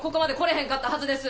へんかったはずです！